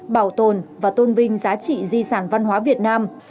bảo tồn và tôn vinh giá trị di sản văn hóa việt nam